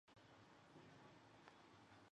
钟复与同乡刘球交好。